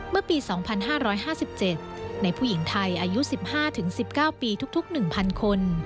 เมื่อปี๒๕๕๗ในผู้หญิงไทยอายุ๑๕๑๙ปีทุก๑๐๐คน